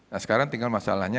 nah sekarang tinggal masalahnya